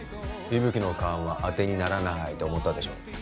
伊吹の勘は当てにならないと思ったでしょう